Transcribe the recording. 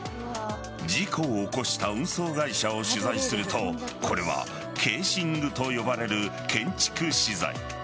事故を起こした運送会社を取材するとこれはケーシングと呼ばれる建築資材。